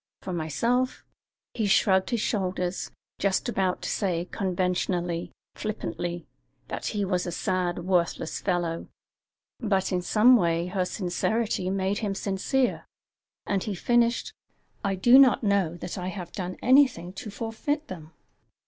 For myself " He shrugged his shoulders, just about to say conventionally, flippantly, that he was a sad, worthless fellow, but in some way her sincerity made him sincere, and he finished: "I do not know that I have done anything to forfeit them."